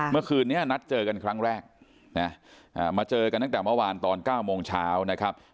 เมื่อคืนนี้นัดเจอกันครั้งแรกนะมาเจอกันตั้งแต่เมื่อวานตอน๙โมงเช้านะครับ